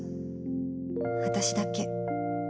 私だけ